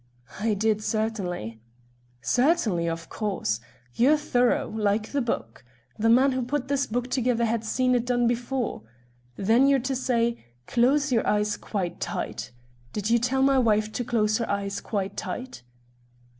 "I did certainly." "Certainly. Of course. You're thorough like the book. The man who put this book together had seen it done before. Then you're to say, 'Close your eyes quite tight.' Did you tell my wife to close her eyes quite tight?"